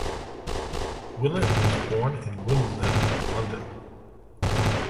Willott was born in Wimbledon, London.